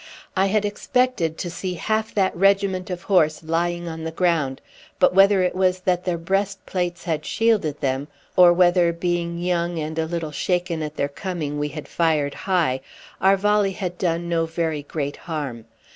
I had expected to see half that regiment of horse lying on the ground; but whether it was that their breastplates had shielded them, or whether, being young and a little shaken at their coming, we had fired high, our volley had done no very great harm.